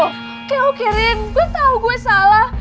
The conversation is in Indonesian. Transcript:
oke oke rin gue tau gue salah